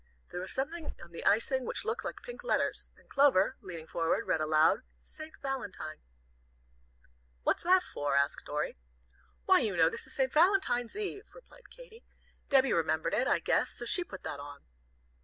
There was something on the icing which looked like pink letters, and Clover, leaning forward, read aloud, "St. Valentine." "What's that for?" asked Dorry. "Why, you know this is St. Valentine's Eve," replied Katy. "Debbie remembered it, I guess, so she put that on."